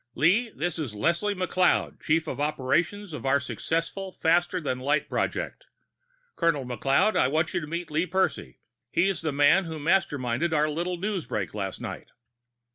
"Lee, this is Leslie McLeod, chief of operations of our successful faster than light project. Colonel McLeod, I want you to meet Lee Percy. He's the man who masterminded our little newsbreak last night."